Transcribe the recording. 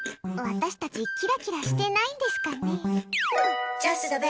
私たちキラキラしてないんですかね。